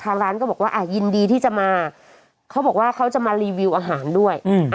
ร้านก็บอกว่าอ่ะยินดีที่จะมาเขาบอกว่าเขาจะมารีวิวอาหารด้วย